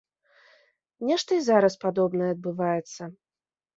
Нешта і зараз падобнае адбываецца.